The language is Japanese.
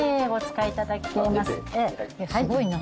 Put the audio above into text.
すごいな。